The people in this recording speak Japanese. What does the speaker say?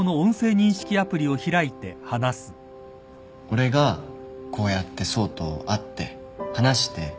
俺がこうやって想と会って話して。